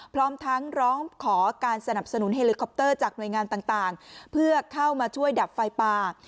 พร้อมทั้งร้องขอการสนับสนุนเฮลิคอปเตอร์จากหน่วยงานต่างเพื่อเข้ามาช่วยดับไฟป่า